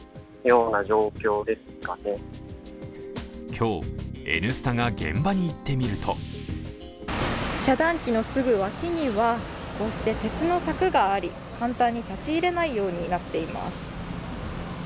今日、「Ｎスタ」が現場に行ってみると遮断機のすぐ脇には、こうして鉄の柵があり簡単に立ち入れないようになっています。